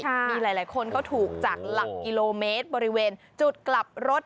มีหลายคนเขาถูกจากหลักกิโลเมตรบริเวณจุดกลับรถ